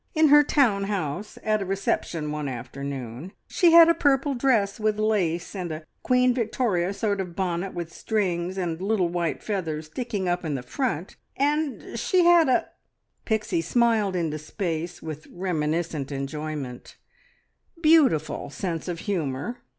In her town house, at a reception one afternoon. She had a purple dress with lace, and a Queen Victoria sort of bonnet with strings, and little white feathers sticking up in the front; and she had a " Pixie smiled into space with reminiscent enjoyment "beautiful sense of humour!"